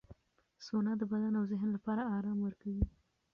سونا د بدن او ذهن لپاره آرام ورکوي.